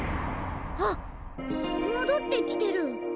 あっもどってきてる。